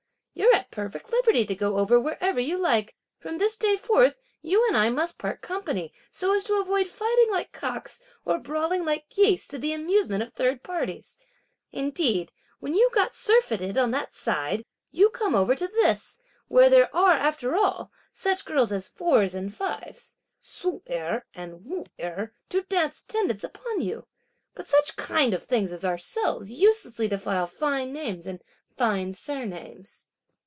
you're at perfect liberty to go over wherever you like; from this day forth you and I must part company so as to avoid fighting like cocks or brawling like geese, to the amusement of third parties. Indeed, when you get surfeited on that side, you come over to this, where there are, after all, such girls as Fours and Fives (Ssu Erh and Wu Erh) to dance attendance upon you. But such kind of things as ourselves uselessly defile fine names and fine surnames."